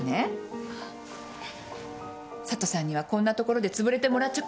佐都さんにはこんなところでつぶれてもらっちゃ困るの。